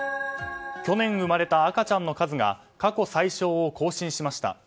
去年生まれた赤ちゃんの数が過去最少を更新しました。